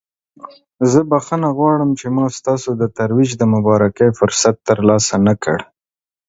زه بخښنه غواړم چې ما ستاسو د ترویج د مبارکۍ فرصت ترلاسه نکړ.